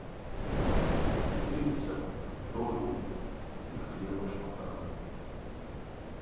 Дзяліліся б доляй і хлеба шматамі.